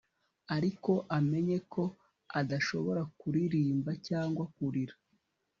ariko amenye ko adashobora kuririmba cyangwa kurira